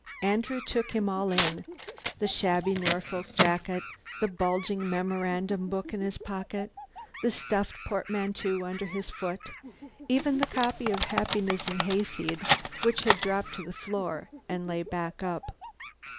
Andrew took him all in, the shabby Norfolk jacket, the bulging memorandum book in his pocket, the stuffed portmanteau under his foot, even the copy of "Happiness and Hayseed" which had dropped to the floor and lay back up.